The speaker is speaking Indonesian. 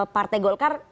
partai golkar ya mengirim